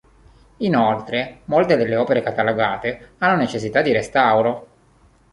Inoltre molte delle opere catalogate hanno necessità di restauro.